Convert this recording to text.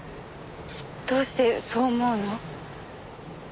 どうしてそう思うの？